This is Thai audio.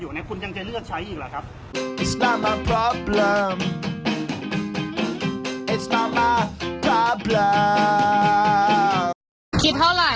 เรียกมีอะไรก็อ่ะเรียกแท็กซี่แล้วกันใช่ไง